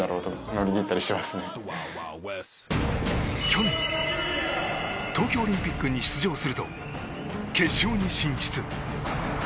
去年、東京オリンピックに出場すると、決勝に進出。